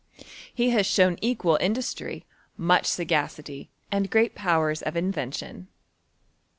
He has shown equal industry, much ss^acity, and great powers of invention.